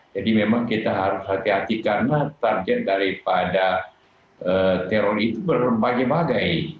jadi memang kita harus hati hati karena target daripada teror itu berbagai bagai